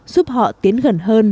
giúp họ tiến gần hơn